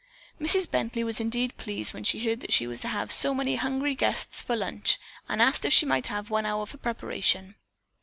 Mrs. Bently was indeed pleased when she heard that she was to have so many hungry guests for lunch and asked if she might have one hour for preparation.